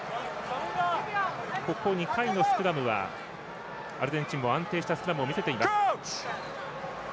ここ２回のスクラムはアルゼンチンも安定したスクラムを見せています。